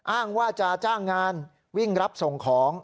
อ้างว่าจะจ้างงานวิ่งรับส่งของ